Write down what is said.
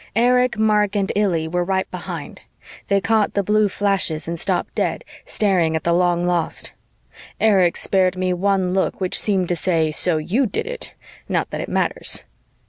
Erich, Mark and Illy were right behind. They caught the blue flashes and stopped dead, staring at the long lost. Erich spared me one look which seemed to say, so you did it, not that it matters.